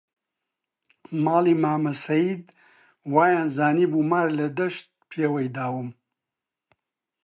ماڵە مامە سەید وەیانزانیبوو مار لە دەشت پێوەی داوم